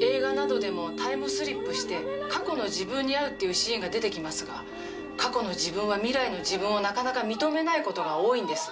映画などでもタイムスリップして過去の自分に会うっていうシーンが出てきますが過去の自分は未来の自分をなかなか認めない事が多いんです。